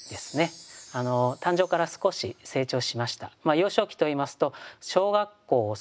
誕生から少し成長しました。